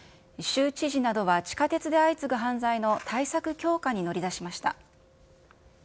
州知事などは地下鉄で相次ぐ犯罪の対策強化に乗り出しました。